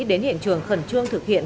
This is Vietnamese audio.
đến hiện trường khẩn trương thực hiện